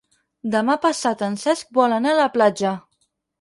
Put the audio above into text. Demà passat en Cesc vol anar a la platja.